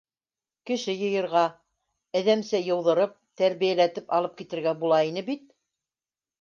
Кеше йыйырға, әҙәмсә йыуҙырып, тәрбиәләтеп алып китергә була ине бит...